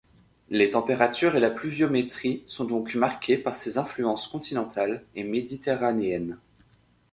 Les températures et la pluviométrie sont donc marquées par ces influences continentales et méditerranéennes.